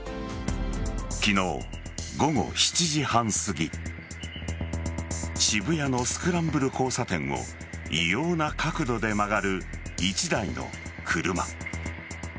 昨日午後７時半すぎ渋谷のスクランブル交差点を異様な角度で曲がる１台の車。